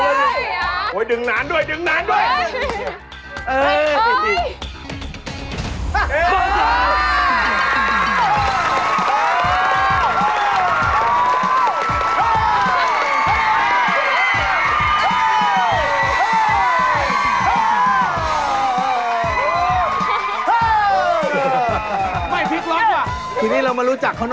เดี๋ยวอธิบายเพิ่มเต็มหน่อยเชิ่ร์ลิบดิ้ง